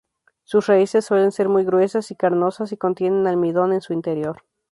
Sus raíces suelen ser muy gruesas y carnosas y contienen almidón en su interior.